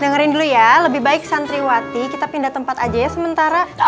dengerin dulu ya lebih baik santriwati kita pindah tempat aja ya sementara